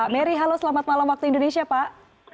mary halo selamat malam waktu indonesia pak